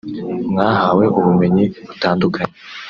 “Mwahawe ubumenyi butandukanye